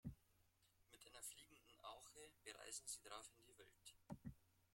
Mit einer fliegenden Arche bereisen sie daraufhin die Welt.